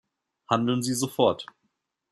Handeln Sie sofort.